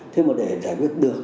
thế mà để giải quyết được